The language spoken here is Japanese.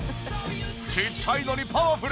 ちっちゃいのにパワフル！